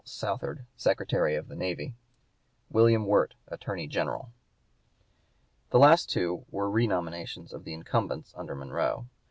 Southard, Secretary of the Navy; William Wirt, Attorney General. The last two were renominations of the incumbents under Monroe.